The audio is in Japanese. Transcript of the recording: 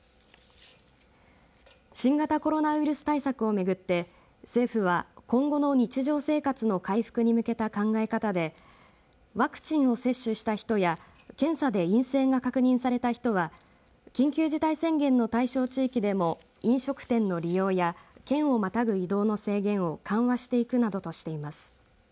新型コロナウイルス対策をめぐって政府は、今後の日常生活の回復に向けた考え方でワクチンを接種した人や検査で陰性が確認された人は緊急事態宣言の対象地域でも飲食店の利用や県をまたぐ移動の制限を緩和していくなどとしています。